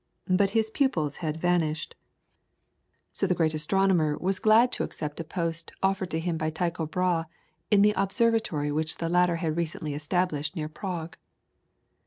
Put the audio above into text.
But his pupils had vanished, so that the great astronomer was glad to accept a post offered him by Tycho Brahe in the observatory which the latter had recently established near Prague.